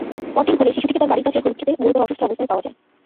পরদিন ভোরে শিশুটিকে তার বাড়ির কাছে হলুদখেতে গুরুতর অসুস্থ অবস্থায় পাওয়া যায়।